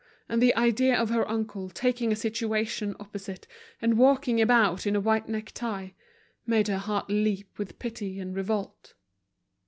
And the idea of her uncle taking a situation opposite, and walking about in a white neck tie, made her heart leap with pity and revolt.